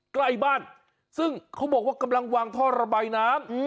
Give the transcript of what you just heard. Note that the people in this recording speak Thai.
ใกล้บ้านซึ่งเขาบอกว่ากำลังวางท่อระบายน้ำ